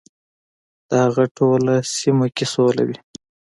د هغه ټوله سیمه کې سوله وي .